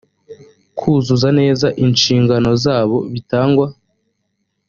kuzuza neza inshingano zabo bitangwa